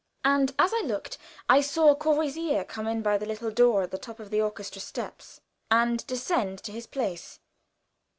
And as I looked, I saw Courvoisier come in by the little door at the top of the orchestra steps and descend to his place.